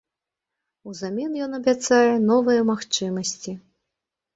Узамен ён абяцае новыя магчымасці.